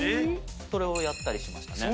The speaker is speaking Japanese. それをやったりしましたね。